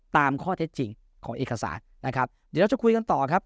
ตามข้อเท็จจริงของเอกสารนะครับเดี๋ยวเราจะคุยกันต่อครับ